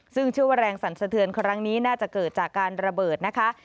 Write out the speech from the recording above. ซึ่งเชื่อว่าแรงสั่นสะเทือนครั้งนี้น่าจะเกิดจากการระเบิดนะคะ